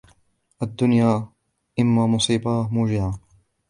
الدُّنْيَا إمَّا مُصِيبَةٌ مُوجِعَةٌ